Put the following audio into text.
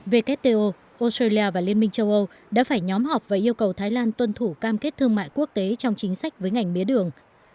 wto australia và liên minh châu âu đã phải nhóm họp và yêu cầu thái lan tuân thủ cam kết thương mại quốc tế trong chính sách với ngành mía đường